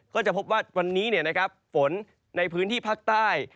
ก็จะพบว่าวันนี้ฝนในพื้นที่ภาคใต้